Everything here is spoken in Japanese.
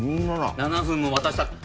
７分も渡したら。